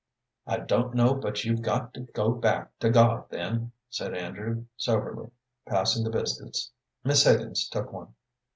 "I don't know but you've got to go back to God, then," said Andrew, soberly, passing the biscuits. Miss Higgins took one.